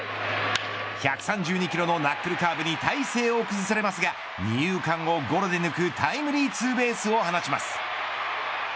１３２キロのナックルカーブに体勢を崩されますが二遊間をゴロで抜くタイムリーツーベースを放ちます。